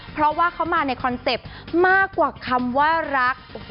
เพราะว่าเขามาในคอนเซ็ปต์มากกว่าคำว่ารัก